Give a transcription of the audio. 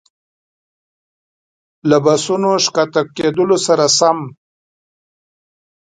له بسونو ښکته کېدلو سره سم.